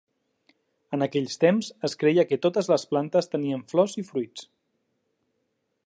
En aquells temps es creia que totes les plantes tenien flors i fruits.